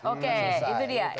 oke itu dia